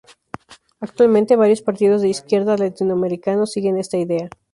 Actualmente varios partidos de izquierda latinoamericanos siguen esta idea.